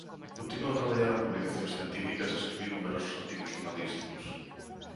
Continuou a traballar en publicacións científicas e escribiu numerosos artigos xornalísticos.